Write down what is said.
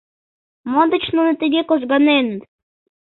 Мо деч нуно тыге кожганеныт?